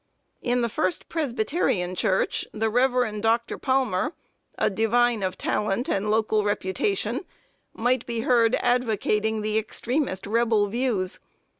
In the First Presbyterian Church, the Rev. Dr. Palmer, a divine of talent and local reputation, might be heard advocating the extremest Rebel views.